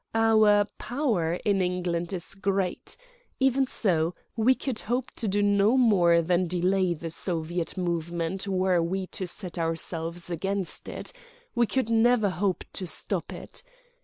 Our power in England is great; even so, we could hope to do no more than delay the soviet movement were we to set ourselves against it—we could never hope to stop it.